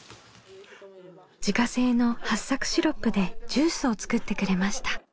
自家製のはっさくシロップでジュースを作ってくれました。